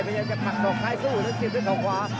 มันยังกัดมัน๒ท้ายสู้แล้วเสียดด้วย๒ขวา